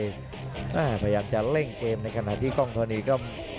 พยายามจะเร่งเกมในขณะที่กล้องธรณีก็